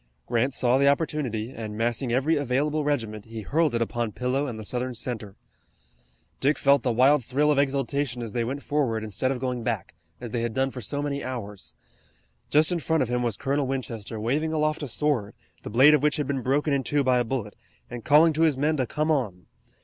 Grant saw the opportunity, and massing every available regiment, he hurled it upon Pillow and the Southern center. Dick felt the wild thrill of exultation as they went forward instead of going back, as they had done for so many hours. Just in front of him was Colonel Winchester, waving aloft a sword, the blade of which had been broken in two by a bullet, and calling to his men to come on.